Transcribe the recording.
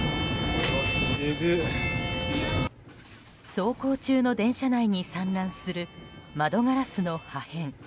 走行中の電車内に散乱する窓ガラスの破片。